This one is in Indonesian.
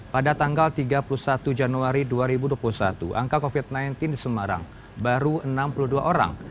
pada tanggal tiga puluh satu januari dua ribu dua puluh satu angka covid sembilan belas di semarang baru enam puluh dua orang